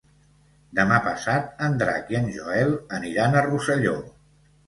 Demà passat en Drac i en Joel aniran a Rosselló.